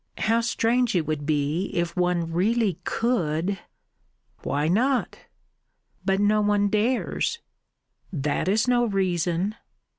"How strange it would be if one really could...." "Why not?" "But no one dares." "That is no reason."